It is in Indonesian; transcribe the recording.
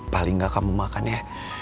paling nggak kamu makan ya